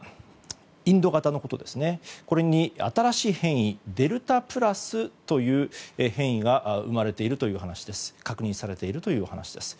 インド型のことですが、これに新しい変異デルタプラスという変異が生まれている確認されているという話です。